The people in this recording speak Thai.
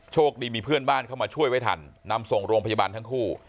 โชคดีมีเพื่อนบ้านเข้ามาช่วยไว้ทันนำส่งโรงพยาบาลทั้งคู่